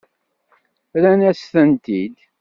Rrant-asent-tent-id.